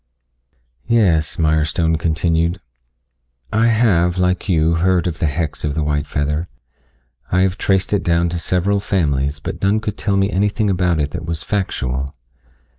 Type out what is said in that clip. "Yes," Mirestone continued. "I have, like you, heard of the hex of the white feather. I have traced it down to several families, but none could tell me anything about it that was factual.